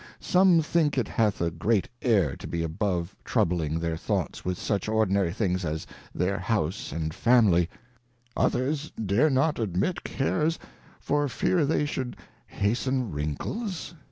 Some think it hath a great Air to be above troubling their thoughts with such ordinary things as their House and Family ; others dare not admit Cares for fear they should hasten Wrinkles